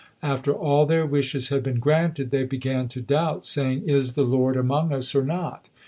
After all their wishes had been granted, they began to doubt, saying, "Is the Lord among us, or not?"